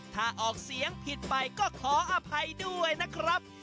ถ้าออกเสียงผิดไปก็ขออภัยด้วยนะครับ